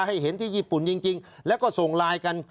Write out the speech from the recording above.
ให้เห็นที่ญี่ปุ่นจริงแล้วก็ส่งไลน์กัน